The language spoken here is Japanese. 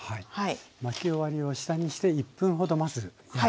巻き終わりを下にして１分ほどまず焼く。